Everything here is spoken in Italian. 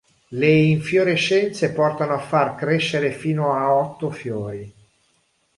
Le infiorescenze portano a far crescere fino a otto fiori.